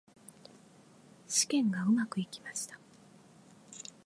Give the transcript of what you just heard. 試験がうまくいきました。